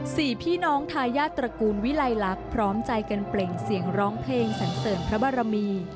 สี่พี่น้องทายาทตระกูลวิลัยลักษณ์พร้อมใจกันเปล่งเสียงร้องเพลงสันเสริมพระบารมี